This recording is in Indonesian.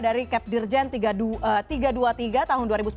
yang pertama dari cap dirjen tiga ratus dua puluh tiga tahun dua ribu sembilan belas